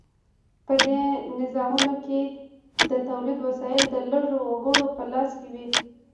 په دې نظامونو کې د تولید وسایل د لږو وګړو په لاس کې وي.